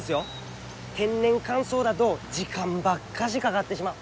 天然乾燥だど時間ばっかしかがってしまう。